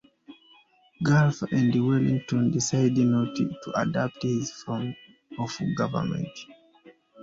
Guelph and Wellington decided not to adopt this form of government.